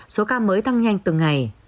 số ca mới tăng nhanh từng ngày